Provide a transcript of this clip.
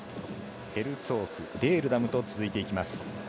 ヘルツォーク、レールダムと続いていきます。